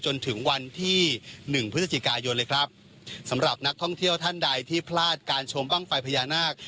จนถึงวันที่หนึ่งพฤศจิกายนเลยครับสำหรับนักท่องเที่ยวท่านใดที่พลาดการชมบ้างไฟพญานาค